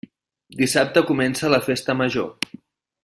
Dissabte comença la Festa Major.